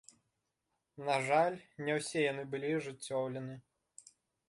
На жаль, не ўсе яны былі ажыццёўлены.